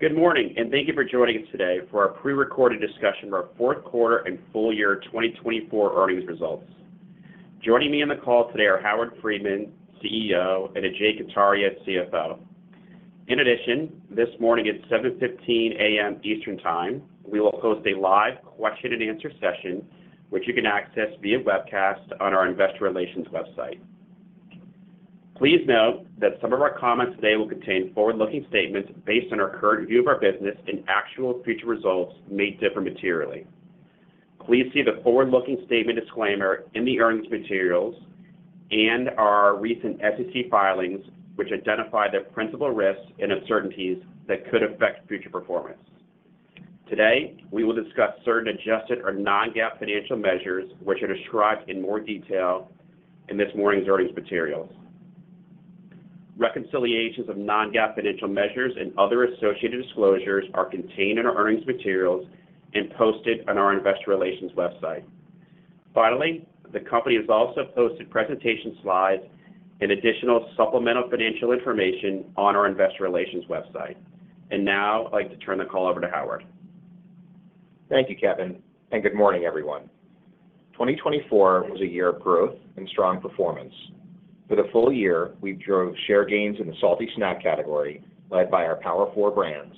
Good morning, and thank you for joining us today for our prerecorded discussion of our fourth quarter and full year 2024 earnings results. Joining me on the call today are Howard Friedman, CEO, and Ajay Kataria, CFO. In addition, this morning at 7:15 A.M. Eastern Time, we will host a live question-and-answer session, which you can access via webcast on our investor relations website. Please note that some of our comments today will contain forward-looking statements based on our current view of our business, and actual future results may differ materially. Please see the forward-looking statement disclaimer in the earnings materials and our recent SEC filings, which identify the principal risks and uncertainties that could affect future performance. Today, we will discuss certain adjusted or non-GAAP financial measures, which are described in more detail in this morning's earnings materials. Reconciliations of non-GAAP financial measures and other associated disclosures are contained in our earnings materials and posted on our investor relations website. Finally, the company has also posted presentation slides and additional supplemental financial information on our investor relations website. Now, I'd like to turn the call over to Howard. Thank you, Kevin, and good morning, everyone. 2024 was a year of growth and strong performance. For the full year, we drove share gains in the salty snack category, led by our Power Four Brands,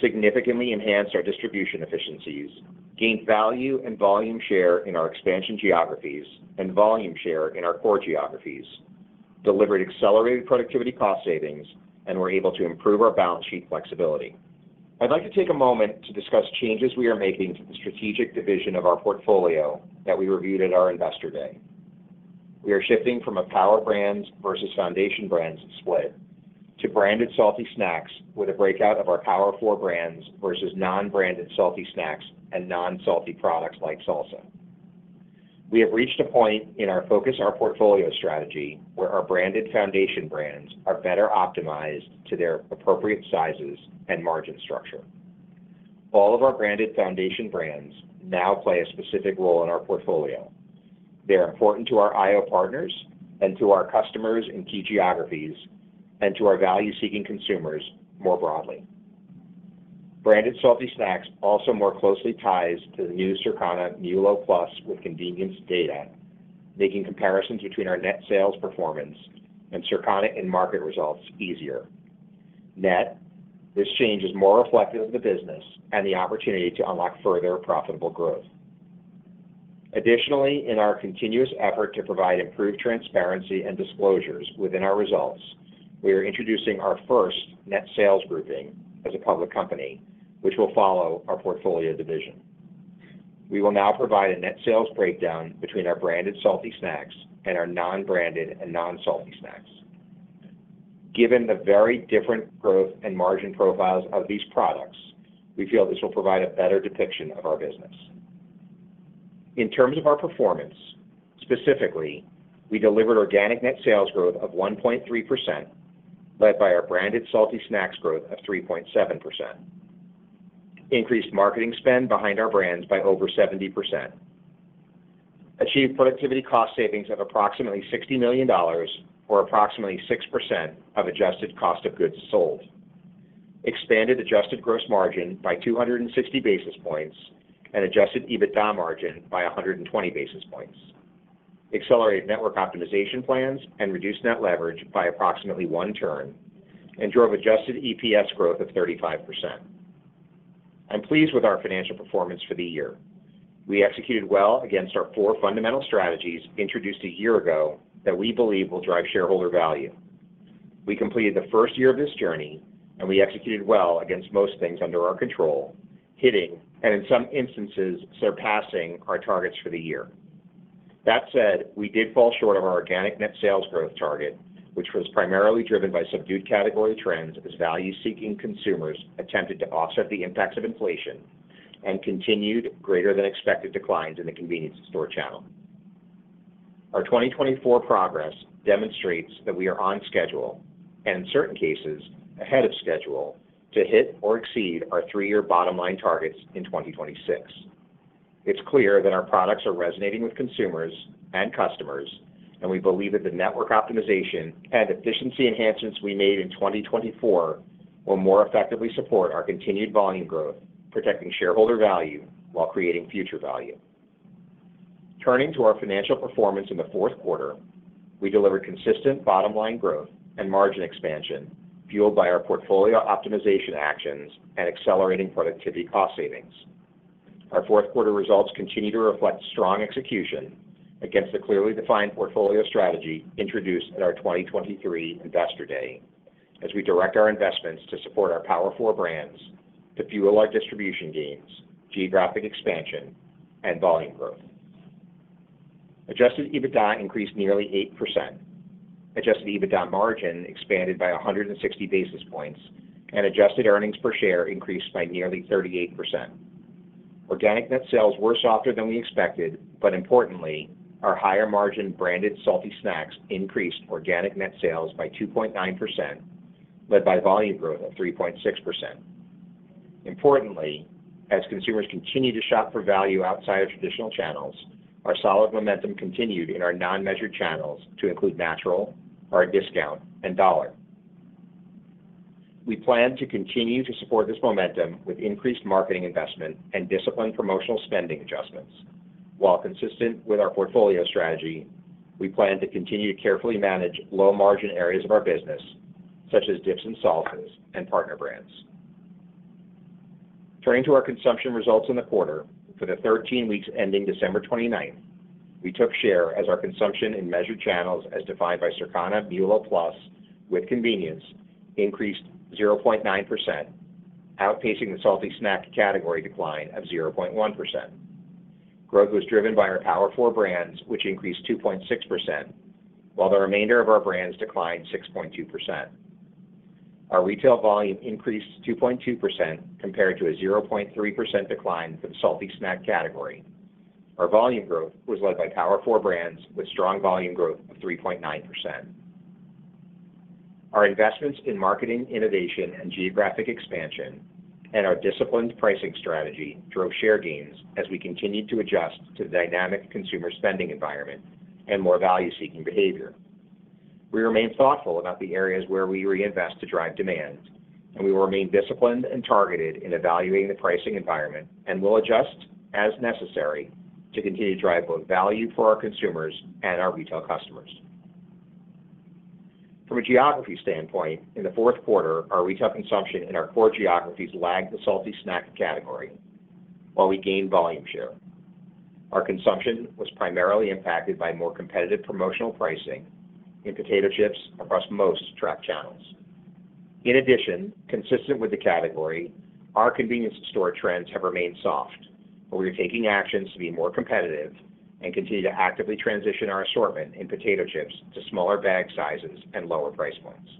significantly enhanced our distribution efficiencies, gained value and volume share in our expansion geographies and volume share in our core geographies, delivered accelerated productivity cost savings, and were able to improve our balance sheet flexibility. I'd like to take a moment to discuss changes we are making to the strategic division of our portfolio that we reviewed at our investor day. We are shifting from a Power Brands versus Foundation Brands split to branded salty snacks with a breakout of our Power Four Brands versus non-branded salty snacks and non-salty products like salsa. We have reached a point in our Focus Our Portfolio strategy where our branded foundation brands are better optimized to their appropriate sizes and margin structure. All of our branded foundation brands now play a specific role in our portfolio. They are important to our IO partners and to our customers in key geographies and to our value-seeking consumers more broadly. Branded salty snacks also more closely ties to the new Circana MULO+ with convenience data, making comparisons between our net sales performance and Circana in-market results easier. Net, this change is more reflective of the business and the opportunity to unlock further profitable growth. Additionally, in our continuous effort to provide improved transparency and disclosures within our results, we are introducing our first net sales grouping as a public company, which will follow our portfolio division. We will now provide a net sales breakdown between our branded salty snacks and our non-branded and non-salty snacks. Given the very different growth and margin profiles of these products, we feel this will provide a better depiction of our business. In terms of our performance, specifically, we delivered organic net sales growth of 1.3%, led by our branded salty snacks growth of 3.7%. Increased marketing spend behind our brands by over 70%. Achieved productivity cost savings of approximately $60 million, or approximately 6% of adjusted cost of goods sold. Expanded adjusted gross margin by 260 basis points and adjusted EBITDA margin by 120 basis points. Accelerated network optimization plans and reduced net leverage by approximately one turn and drove adjusted EPS growth of 35%. I'm pleased with our financial performance for the year. We executed well against our four fundamental strategies introduced a year ago that we believe will drive shareholder value. We completed the first year of this journey, and we executed well against most things under our control, hitting and in some instances surpassing our targets for the year. That said, we did fall short of our organic net sales growth target, which was primarily driven by subdued category trends as value-seeking consumers attempted to offset the impacts of inflation and continued greater-than-expected declines in the convenience store channel. Our 2024 progress demonstrates that we are on schedule and, in certain cases, ahead of schedule to hit or exceed our three-year bottom line targets in 2026. It's clear that our products are resonating with consumers and customers, and we believe that the network optimization and efficiency enhancements we made in 2024 will more effectively support our continued volume growth, protecting shareholder value while creating future value. Turning to our financial performance in the fourth quarter, we delivered consistent bottom line growth and margin expansion fueled by our portfolio optimization actions and accelerating productivity cost savings. Our fourth quarter results continue to reflect strong execution against the clearly defined portfolio strategy introduced at our 2023 investor day as we direct our investments to support our Power Four Brands to fuel our distribution gains, geographic expansion, and volume growth. Adjusted EBITDA increased nearly 8%. Adjusted EBITDA margin expanded by 160 basis points, and adjusted earnings per share increased by nearly 38%. Organic net sales were softer than we expected, but importantly, our higher margin branded salty snacks increased organic net sales by 2.9%, led by volume growth of 3.6%. Importantly, as consumers continue to shop for value outside of traditional channels, our solid momentum continued in our non-measured channels to include natural, our discount, and dollar. We plan to continue to support this momentum with increased marketing investment and disciplined promotional spending adjustments. While consistent with our portfolio strategy, we plan to continue to carefully manage low-margin areas of our business, such as dips and salsas and partner brands. Turning to our consumption results in the quarter, for the 13 weeks ending December 29th, we took share as our consumption in measured channels as defined by Circana MULO+ with convenience increased 0.9%, outpacing the salty snack category decline of 0.1%. Growth was driven by our Power Four Brands, which increased 2.6%, while the remainder of our brands declined 6.2%. Our retail volume increased 2.2% compared to a 0.3% decline for the salty snack category. Our volume growth was led by Power Four Brands with strong volume growth of 3.9%. Our investments in marketing innovation and geographic expansion and our disciplined pricing strategy drove share gains as we continued to adjust to the dynamic consumer spending environment and more value-seeking behavior. We remain thoughtful about the areas where we reinvest to drive demand, and we will remain disciplined and targeted in evaluating the pricing environment and will adjust as necessary to continue to drive both value for our consumers and our retail customers. From a geography standpoint, in the fourth quarter, our retail consumption in our core geographies lagged the salty snack category while we gained volume share. Our consumption was primarily impacted by more competitive promotional pricing in potato chips across most tracked channels. In addition, consistent with the category, our convenience store trends have remained soft, but we are taking actions to be more competitive and continue to actively transition our assortment in potato chips to smaller bag sizes and lower price points.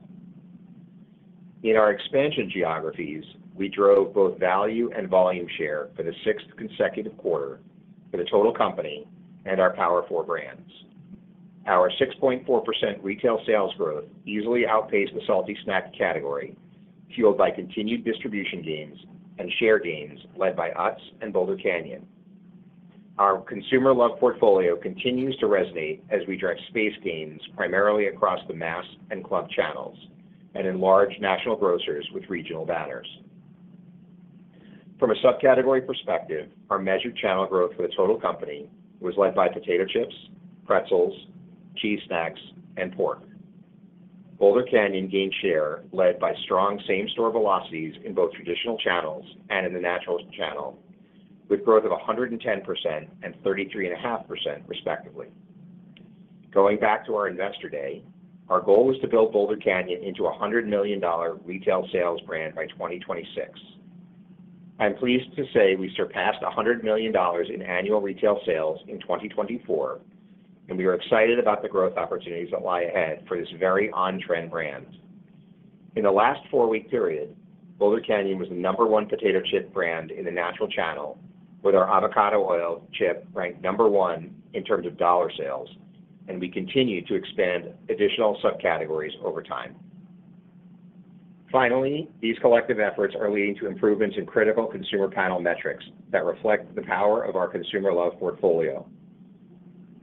In our expansion geographies, we drove both value and volume share for the sixth consecutive quarter for the total company and our Power Four Brands. Our 6.4% retail sales growth easily outpaced the salty snack category, fueled by continued distribution gains and share gains led by Utz and Boulder Canyon. Our consumer-loved portfolio continues to resonate as we drive space gains primarily across the mass and club channels and in large national grocers with regional banners. From a subcategory perspective, our measured channel growth for the total company was led by potato chips, pretzels, cheese snacks, and pork. Boulder Canyon gained share led by strong same-store velocities in both traditional channels and in the natural channel, with growth of 110% and 33.5% respectively. Going back to our investor day, our goal was to build Boulder Canyon into a $100 million retail sales brand by 2026. I'm pleased to say we surpassed $100 million in annual retail sales in 2024, and we are excited about the growth opportunities that lie ahead for this very on-trend brand. In the last four-week period, Boulder Canyon was the number one potato chip brand in the natural channel, with our avocado oil chip ranked number one in terms of dollar sales, and we continue to expand additional subcategories over time. Finally, these collective efforts are leading to improvements in critical consumer panel metrics that reflect the power of our consumer-love portfolio.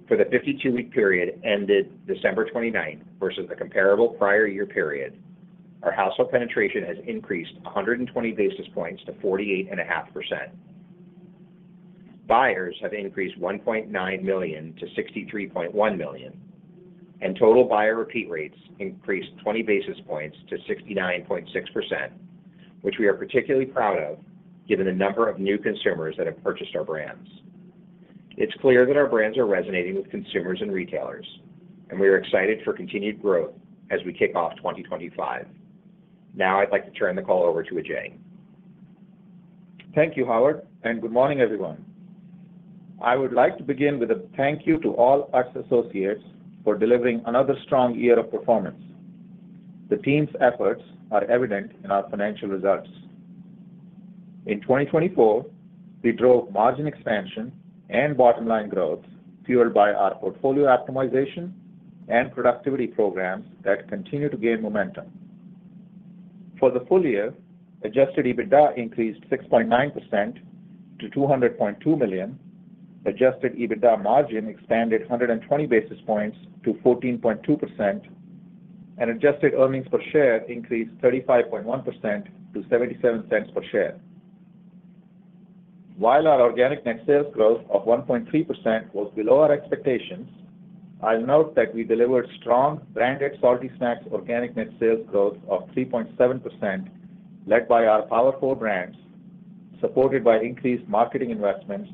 For the 52-week period ended December 29th versus the comparable prior year period, our household penetration has increased 120 basis points to 48.5%. Buyers have increased 1.9 million to 63.1 million, and total buyer repeat rates increased 20 basis points to 69.6%, which we are particularly proud of given the number of new consumers that have purchased our brands. It's clear that our brands are resonating with consumers and retailers, and we are excited for continued growth as we kick off 2025. Now, I'd like to turn the call over to Ajay. Thank you, Howard, and good morning, everyone. I would like to begin with a thank you to all Utz associates for delivering another strong year of performance. The team's efforts are evident in our financial results. In 2024, we drove margin expansion and bottom line growth fueled by our portfolio optimization and productivity programs that continue to gain momentum. For the full year, adjusted EBITDA increased 6.9% to $200.2 million, adjusted EBITDA margin expanded 120 basis points to 14.2%, and adjusted earnings per share increased 35.1% to $0.77 per share. While our organic net sales growth of 1.3% was below our expectations, I'll note that we delivered strong branded salty snacks organic net sales growth of 3.7%, led by our Power Four Brands, supported by increased marketing investments,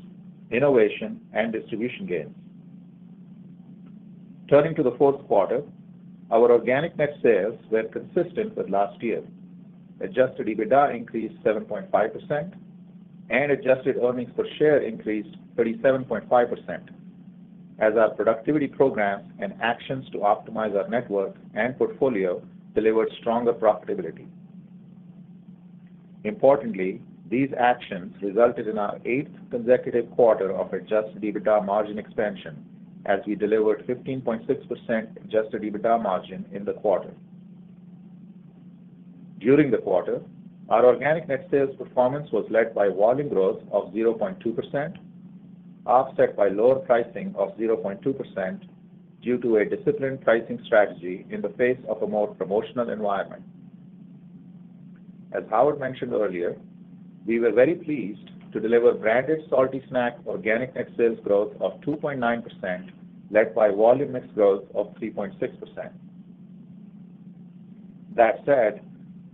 innovation, and distribution gains. Turning to the fourth quarter, our organic net sales were consistent with last year. Adjusted EBITDA increased 7.5%, and adjusted earnings per share increased 37.5%, as our productivity programs and actions to optimize our network and portfolio delivered stronger profitability. Importantly, these actions resulted in our eighth consecutive quarter of adjusted EBITDA margin expansion, as we delivered 15.6% adjusted EBITDA margin in the quarter. During the quarter, our organic net sales performance was led by volume growth of 0.2%, offset by lower pricing of 0.2% due to a disciplined pricing strategy in the face of a more promotional environment. As Howard mentioned earlier, we were very pleased to deliver branded salty snack organic net sales growth of 2.9%, led by volume mix growth of 3.6%. That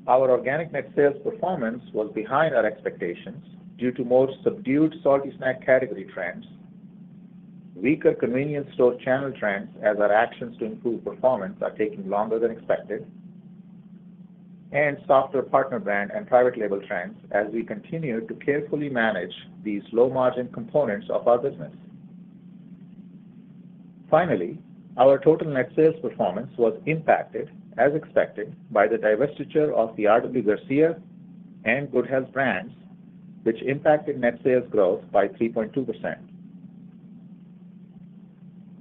said, our organic net sales performance was behind our expectations due to more subdued salty snack category trends, weaker convenience store channel trends as our actions to improve performance are taking longer than expected, and softer partner brand and private label trends as we continue to carefully manage these low-margin components of our business. Finally, our total net sales performance was impacted, as expected, by the divestiture of the R.W. Garcia and Good Health brands, which impacted net sales growth by 3.2%.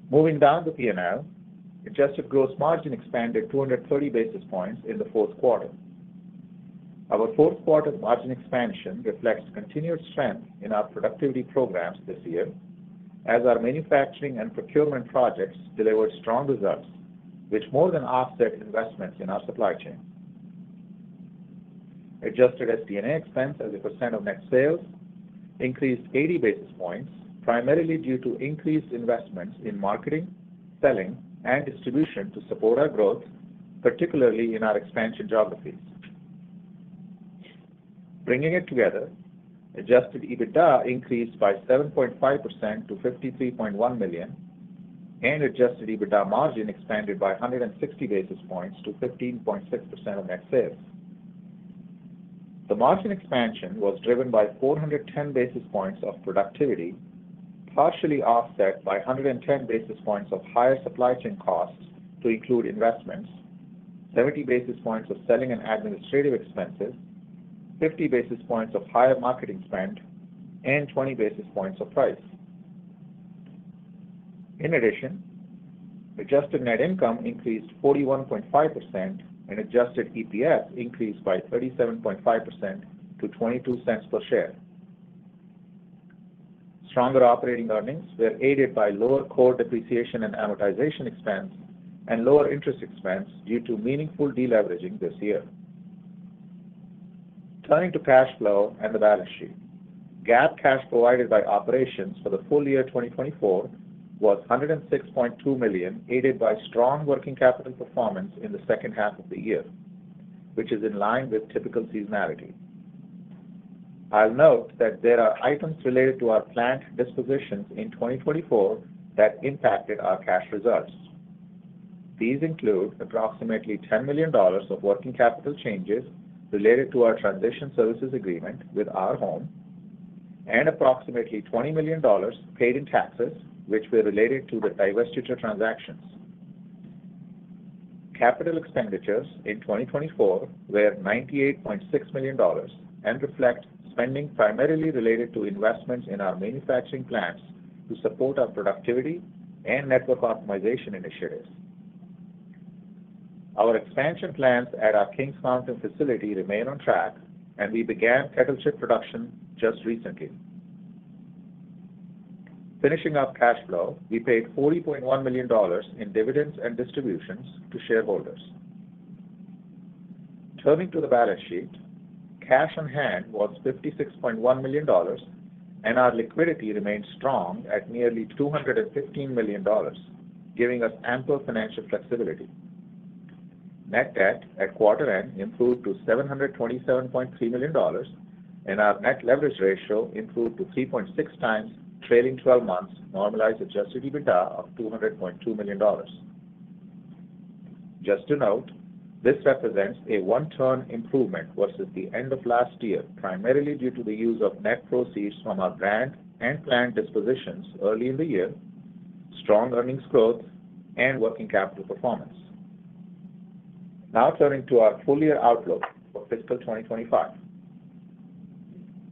Moving down the P&L, adjusted gross margin expanded 230 basis points in the fourth quarter. Our fourth quarter margin expansion reflects continued strength in our productivity programs this year, as our manufacturing and procurement projects delivered strong results, which more than offset investments in our supply chain. Adjusted SD&A expense as a percent of net sales increased 80 basis points, primarily due to increased investments in marketing, selling, and distribution to support our growth, particularly in our expansion geographies. Bringing it together, adjusted EBITDA increased by 7.5% to $53.1 million, and adjusted EBITDA margin expanded by 160 basis points to 15.6% of net sales. The margin expansion was driven by 410 basis points of productivity, partially offset by 110 basis points of higher supply chain costs to include investments, 70 basis points of selling and administrative expenses, 50 basis points of higher marketing spend, and 20 basis points of price. In addition, adjusted net income increased 41.5%, and adjusted EPS increased by 37.5% to $0.22 per share. Stronger operating earnings were aided by lower core depreciation and amortization expense and lower interest expense due to meaningful deleveraging this year. Turning to cash flow and the balance sheet, GAAP cash provided by operations for the full year 2024 was $106.2 million, aided by strong working capital performance in the second half of the year, which is in line with typical seasonality. I'll note that there are items related to our planned dispositions in 2024 that impacted our cash results. These include approximately $10 million of working capital changes related to our transition services agreement with Our Home, and approximately $20 million paid in taxes, which were related to the divestiture transactions. Capital expenditures in 2024 were $98.6 million and reflect spending primarily related to investments in our manufacturing plants to support our productivity and network optimization initiatives. Our expansion plans at our Kings Mountain facility remain on track, and we began kettle chip production just recently. Finishing up cash flow, we paid $40.1 million in dividends and distributions to shareholders. Turning to the balance sheet, cash on hand was $56.1 million, and our liquidity remained strong at nearly $215 million, giving us ample financial flexibility. Net debt at quarter-end improved to $727.3 million, and our net leverage ratio improved to 3.6 times, trailing 12 months' normalized adjusted EBITDA of $200.2 million. Just to note, this represents a one-turn improvement versus the end of last year, primarily due to the use of net proceeds from our brand and planned dispositions early in the year, strong earnings growth, and working capital performance. Now, turning to our full-year outlook for fiscal 2025,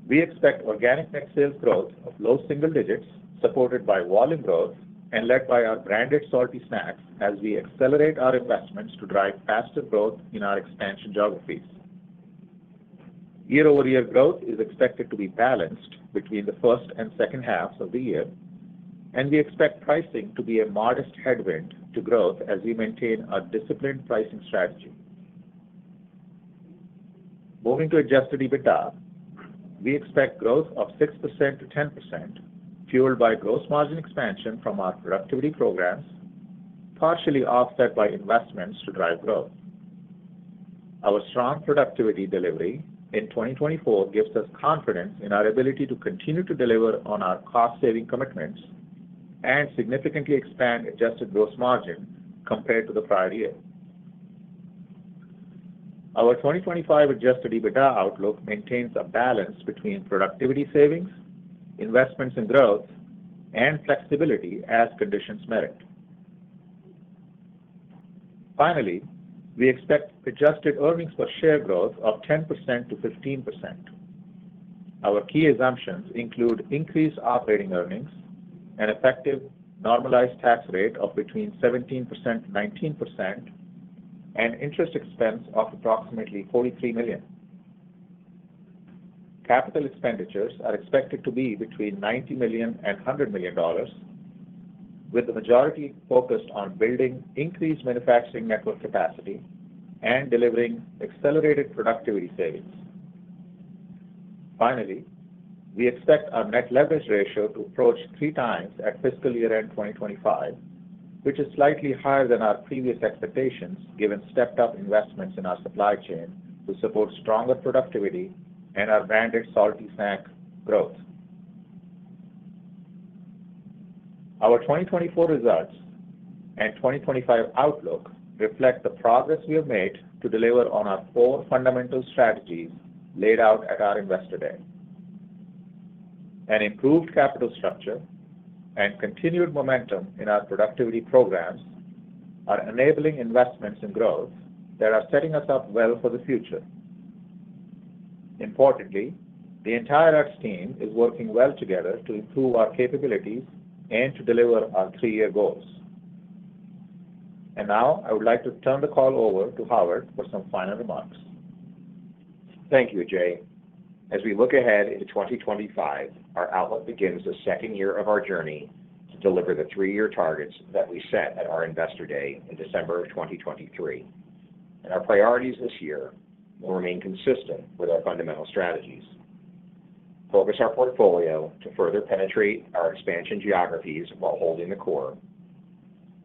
we expect organic net sales growth of low single digits, supported by volume growth and led by our branded salty snacks, as we accelerate our investments to drive faster growth in our expansion geographies. Year-over-year growth is expected to be balanced between the first and second halves of the year, and we expect pricing to be a modest headwind to growth as we maintain our disciplined pricing strategy. Moving to Adjusted EBITDA, we expect growth of 6%-10%, fueled by gross margin expansion from our productivity programs, partially offset by investments to drive growth. Our strong productivity delivery in 2024 gives us confidence in our ability to continue to deliver on our cost-saving commitments and significantly expand Adjusted gross margin compared to the prior year. Our 2025 Adjusted EBITDA outlook maintains a balance between productivity savings, investments in growth, and flexibility as conditions merit. Finally, we expect Adjusted earnings per share growth of 10%-15%. Our key assumptions include increased operating earnings, an effective normalized tax rate of between 17%-19%, and interest expense of approximately $43 million. Capital expenditures are expected to be between $90 million and $100 million, with the majority focused on building increased manufacturing network capacity and delivering accelerated productivity savings. Finally, we expect our net leverage ratio to approach three times at fiscal year-end 2025, which is slightly higher than our previous expectations given stepped-up investments in our supply chain to support stronger productivity and our branded salty snack growth. Our 2024 results and 2025 outlook reflect the progress we have made to deliver on our four fundamental strategies laid out at our investor day. An improved capital structure and continued momentum in our productivity programs are enabling investments in growth that are setting us up well for the future. Importantly, the entire Utz team is working well together to improve our capabilities and to deliver our three-year goals. Now, I would like to turn the call over to Howard for some final remarks. Thank you, Ajay. As we look ahead into 2025, our outlook begins the second year of our journey to deliver the three-year targets that we set at our investor day in December of 2023, and our priorities this year will remain consistent with our fundamental strategies. Focus our portfolio to further penetrate our expansion geographies while holding the core.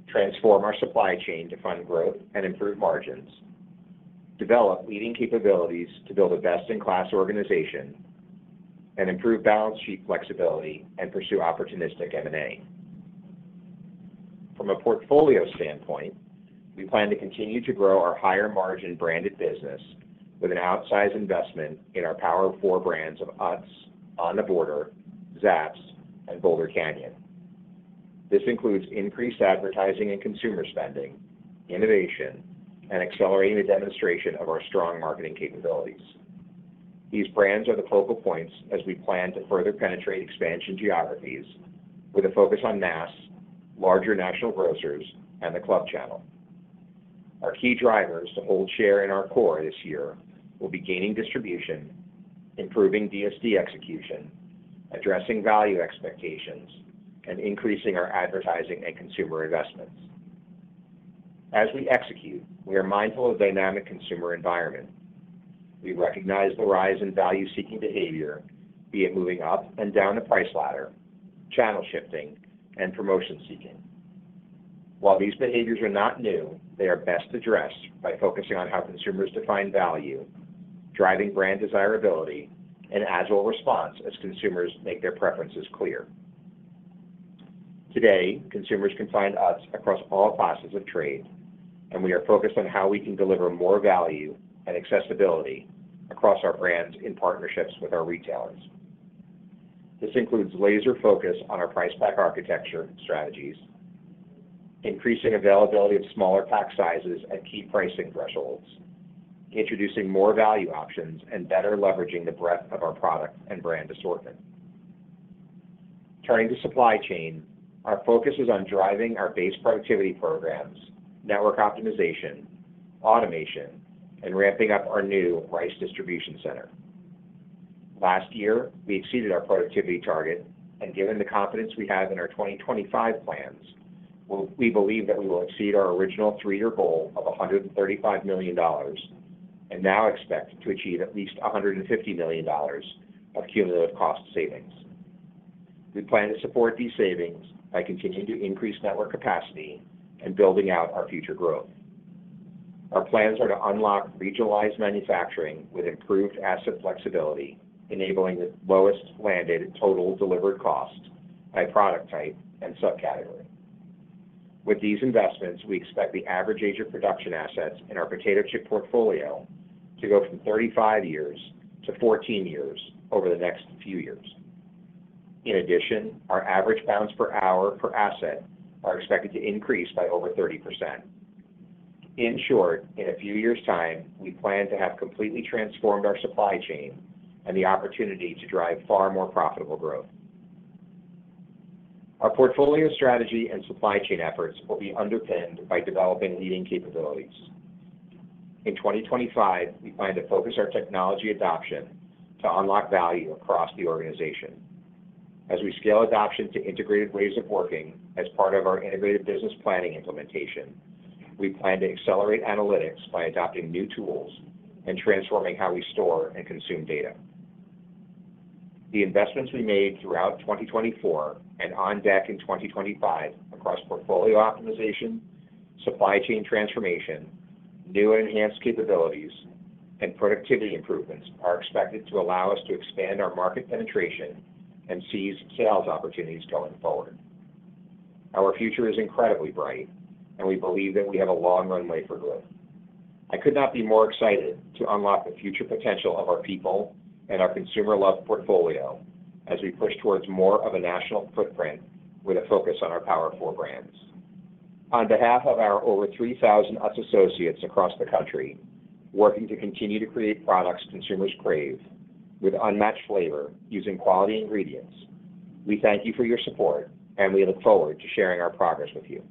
Transform our supply chain to fund growth and improve margins. Develop leading capabilities to build a best-in-class organization and improve balance sheet flexibility and pursue opportunistic M&A. From a portfolio standpoint, we plan to continue to grow our higher-margin branded business with an outsized investment in our Power Four Brands of Utz, On The Border, Zapp's, and Boulder Canyon. This includes increased advertising and consumer spending, innovation, and accelerating the demonstration of our strong marketing capabilities. These brands are the focal points as we plan to further penetrate expansion geographies with a focus on mass, larger national grocers, and the club channel. Our key drivers to hold share in our core this year will be gaining distribution, improving DSD execution, addressing value expectations, and increasing our advertising and consumer investments. As we execute, we are mindful of the dynamic consumer environment. We recognize the rise in value-seeking behavior, be it moving up and down the price ladder, channel shifting, and promotion seeking. While these behaviors are not new, they are best addressed by focusing on how consumers define value, driving brand desirability, and agile response as consumers make their preferences clear. Today, consumers can find Utz across all classes of trade, and we are focused on how we can deliver more value and accessibility across our brands in partnerships with our retailers. This includes laser focus on our price pack architecture strategies, increasing availability of smaller pack sizes at key pricing thresholds, introducing more value options, and better leveraging the breadth of our product and brand assortment. Turning to supply chain, our focus is on driving our base productivity programs, network optimization, automation, and ramping up our new Rice Distribution Center. Last year, we exceeded our productivity target, and given the confidence we have in our 2025 plans, we believe that we will exceed our original three-year goal of $135 million and now expect to achieve at least $150 million of cumulative cost savings. We plan to support these savings by continuing to increase network capacity and building out our future growth. Our plans are to unlock regionalized manufacturing with improved asset flexibility, enabling the lowest landed total delivered cost by product type and subcategory. With these investments, we expect the average age of production assets in our potato chip portfolio to go from 35 years to 14 years over the next few years. In addition, our average pounds per hour per asset are expected to increase by over 30%. In short, in a few years' time, we plan to have completely transformed our supply chain and the opportunity to drive far more profitable growth. Our portfolio strategy and supply chain efforts will be underpinned by developing leading capabilities. In 2025, we plan to focus our technology adoption to unlock value across the organization. As we scale adoption to integrated ways of working as part of our integrated business planning implementation, we plan to accelerate analytics by adopting new tools and transforming how we store and consume data. The investments we made throughout 2024 and on deck in 2025 across portfolio optimization, supply chain transformation, new and enhanced capabilities, and productivity improvements are expected to allow us to expand our market penetration and seize sales opportunities going forward. Our future is incredibly bright, and we believe that we have a long runway for growth. I could not be more excited to unlock the future potential of our people and our consumer-love portfolio as we push towards more of a national footprint with a focus on our Power Four Brands. On behalf of our over 3,000 Utz associates across the country working to continue to create products consumers crave with unmatched flavor using quality ingredients, we thank you for your support, and we look forward to sharing our progress with you.